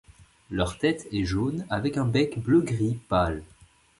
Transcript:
Leur tête est jaune avec un bec bleu-gris pâle.